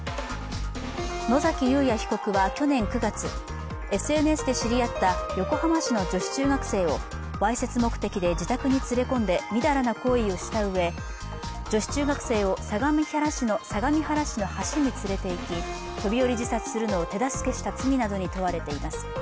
野崎祐也被告は去年９月ＳＮＳで知り合った横浜市の女子中学生をわいせつ目的で自宅に連れ込んで淫らな行為をしたうえ女子中学生を相模原市の橋に連れて行き、飛び降り自殺するのを手助けした罪などに問われています。